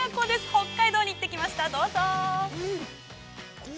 北海道に行ってきました、どうぞ。